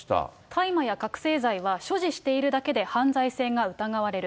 大麻や覚醒剤は所持しているだけで犯罪性が疑われる。